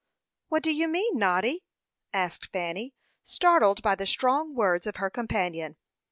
"What do you mean, Noddy?" asked Fanny, startled by the strong words of her companion.